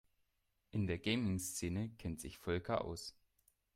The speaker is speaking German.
In der Gaming-Szene kennt Volker sich aus.